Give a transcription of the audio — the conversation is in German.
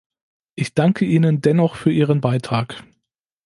Ich danke Ihnen dennoch für Ihren Beitrag.